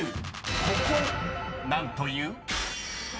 ［ここ何という？］